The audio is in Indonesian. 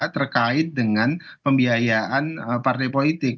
terkait dengan pembiayaan partai politik